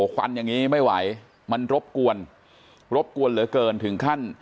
ควันอย่างนี้ไม่ไหวมันรบกวนรบกวนเหลือเกินถึงขั้น